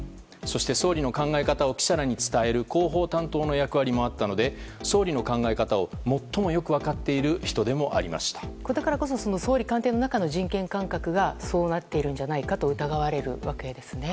総理の考え方を記者に伝える広報担当の役割をあったので総理の考え方を最もよく分かっている人でもありましただからこそ総理官邸の中の人権感覚がそうなっているんじゃないかと疑われるわけですね。